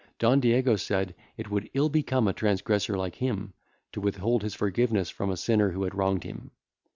Don Diego said, it would ill become a transgressor like him to withhold his forgiveness from a sinner who had wronged him.